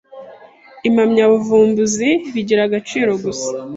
impamyabuvumbuzi bigira agaciro gusa